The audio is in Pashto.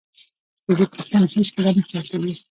د فزیک پوښتنې هیڅکله نه خلاصېږي.